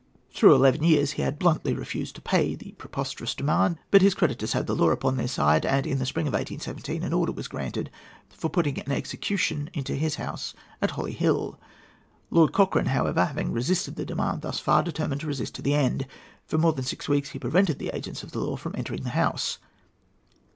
Through eleven years he bluntly refused to pay the preposterous demand; but his creditors had the law upon their side, and in the spring of 1817 an order was granted for putting an execution into his house at Holly Hill. [Footnote A: 'The Autobiography of a Seaman,' vol. i. pp. 203, 204.] Lord Cochrane, however, having resisted the demand thus far, determined to resist to the end. For more than six weeks he prevented the agents of the law from entering the house.